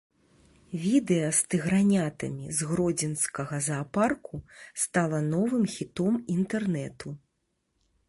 Відэа з тыгранятамі з гродзенскага заапарку стала новым хітом інтэрнэту.